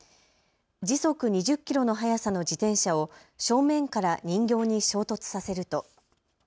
時速２０キロの速さの自転車を正面から人形に衝突させると。